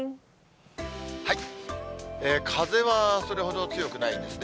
風はそれほど強くないんですね。